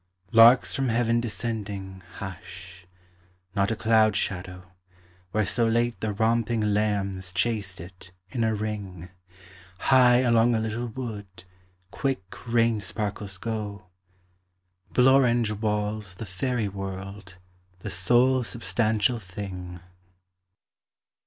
Larks from heaven descending Hush; not a cloud shadow, Where so late the romping lambs Chased it, in a ring; High along a little wood Quick rain sparkles go; Blorenge walls the faëry world: the sole substantial thing.